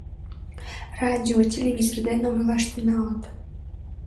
Радио, телевизор дене ойлаш тӱҥалыт.